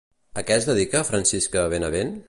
A què es dedica Francisca Benabent?